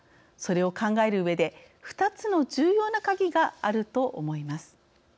それを考えるうえで２つの重要なカギがあると思います。